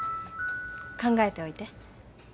考えておいて。